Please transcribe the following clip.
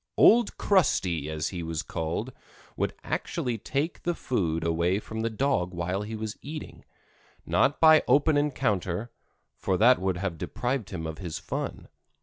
"Old Crusty," as he was called, would actually take the food away from the dog while he was eating, not by open encounter, for that would have deprived him of his fun.